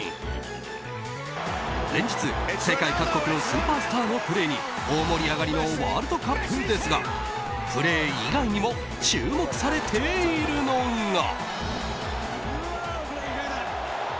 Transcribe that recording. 連日、世界各国のスーパースターのプレーに大盛り上がりのワールドカップですがプレー以外にも注目されているのが。